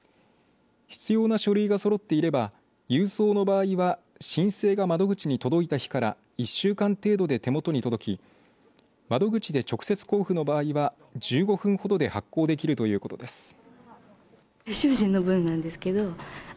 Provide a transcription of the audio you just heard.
必要な書類がそろっていれば郵送の場合は申請が窓口に届いた日から１週間程度で手元に届き窓口で直接交付の場合は１５分ほどで発行できるということです。